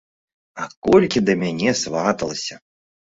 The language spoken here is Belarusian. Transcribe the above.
А колькі да мяне сваталася!